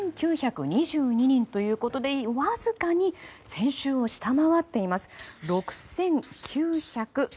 ６９２２人ということでわずかに先週を下回っています。